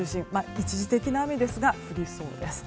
一時的な雨ですが降りそうです。